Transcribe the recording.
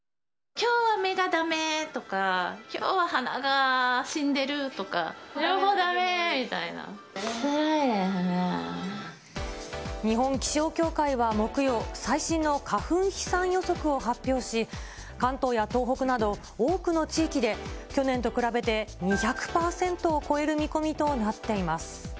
きょうは目がだめとか、きょうは鼻が死んでるとか、日本気象協会は木曜、最新の花粉飛散予測を発表し、関東や東北など多くの地域で、去年と比べて２００％を超える見込みとなっています。